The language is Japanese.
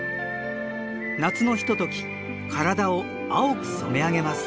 夏のひととき体を青く染め上げます。